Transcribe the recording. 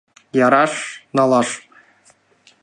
Яраш — налаш.